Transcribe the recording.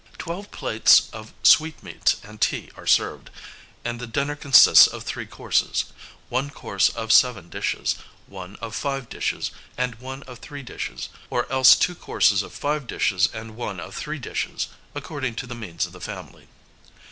Twelve plates of sweetmeats and tea are served; and the dinner consists of three courses, one course of seven dishes, one of five dishes, and one of three dishes, or else two courses of five dishes and one of three dishes, according to the means of the family.